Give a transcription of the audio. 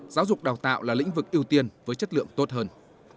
giáo dục đào tạo là lĩnh vực ưu tiên với chất lượng tốt hơn